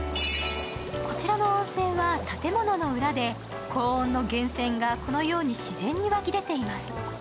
こちらの温泉は建物の裏で高温の源泉がこのように自然に湧き出ています。